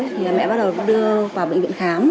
thì mẹ bắt đầu đưa vào bệnh viện khám